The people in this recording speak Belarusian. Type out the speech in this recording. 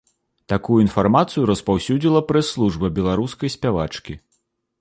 Такую інфармацыю распаўсюдзіла прэс-служба беларускай спявачкі.